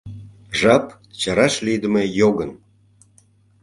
Жап — чараш лийдыме йогын.